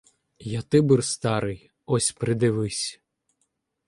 Я Тибр старий! — ось придивись.